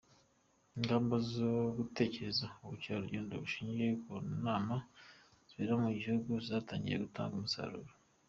Ingamba zo gutekereza ubukerarugendo bushingiye ku nama zibera mu gihugu zatangiye gutanga umusaruro.